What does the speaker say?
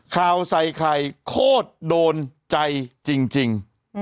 ข่าวใส่ไข่โคตรโดนใจจริง